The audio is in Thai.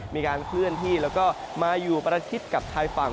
มีการเคลื่อนที่แล้วก็มาอยู่ประชิดกับชายฝั่ง